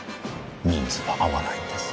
人数が合わないんです。